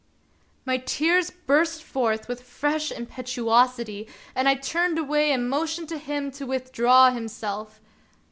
My tears burst forth with fresh impetuosity, but I turned away and motioned to him to with draw himself.